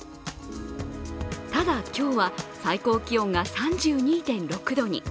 ただ、今日は最高気温が３２．６度に。